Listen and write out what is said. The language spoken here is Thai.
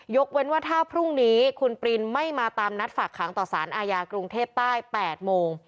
เว้นว่าถ้าพรุ่งนี้คุณปรินไม่มาตามนัดฝากขังต่อสารอาญากรุงเทพใต้๘โมง